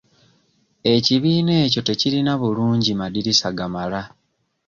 Ekibiina ekyo tekirina bulungi madirisa gamala.